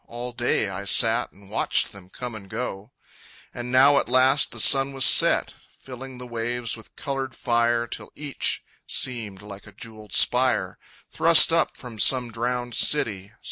All day I sat and watched them come and go; And now at last the sun was set, Filling the waves with colored fire Till each seemed like a jewelled spire Thrust up from some drowned city.